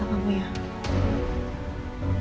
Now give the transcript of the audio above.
makanya aku bantu